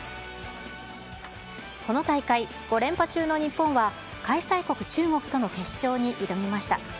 この大会、５連覇中の日本は、開催国、中国との決勝に挑みました。